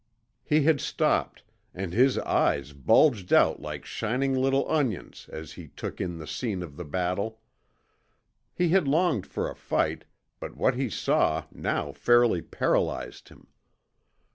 He had stopped, and his eyes bulged out like shining little onions as he took in the scene of battle. He had longed for a fight but what he saw now fairly paralyzed him.